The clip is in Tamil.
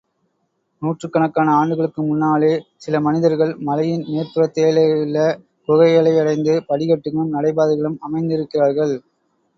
நூற்றுக் கணக்கான ஆண்டுகளுக்கு முன்னாலே, சில மனிதர்கள் மலையின் மேற்புறத்திலேயுள்ள குகைகளையடைந்து, படிக்கட்டுகளும் நடைபாதைகளும் அமைந்திருக்கிறார்கள்.